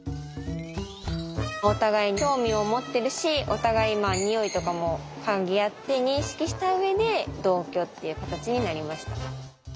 お互い興味を持ってるしお互い匂いとかも嗅ぎ合って認識した上で同居っていう形になりました。